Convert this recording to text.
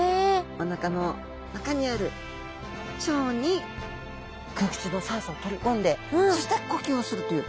おなかの中にある腸に空気中の酸素を取り込んでそして呼吸をするという。